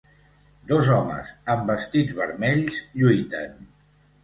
dos homes amb vestits vermells lluiten.